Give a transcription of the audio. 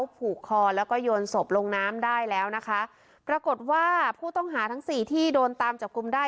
ผูกคอแล้วก็โยนศพลงน้ำได้แล้วนะคะปรากฏว่าผู้ต้องหาทั้งสี่ที่โดนตามจับกลุ่มได้